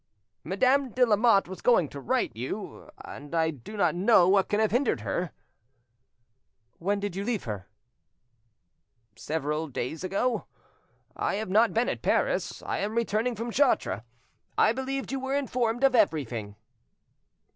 "Madame de Lamotte was going to write to you, and I do not know what can have hindered her." "When did you leave her?" "Several days ago. I have not been at Paris; I am returning from Chartres. I believed you were informed of everything."